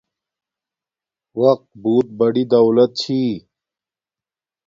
وقت بوت بڑی دولت چھی